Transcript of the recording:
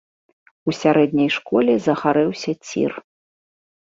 У сярэдняй школе загарэўся цір.